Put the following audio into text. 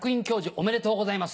おめでとうございます。